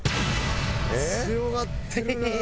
強がってるなあ。